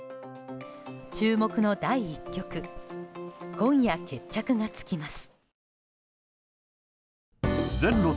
注目の第１局今夜決着がつきます。